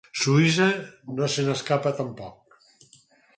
Suïssa no se n’escapa tampoc.